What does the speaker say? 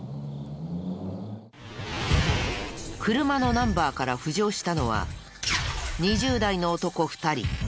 車のナンバーから浮上したのは２０代の男２人。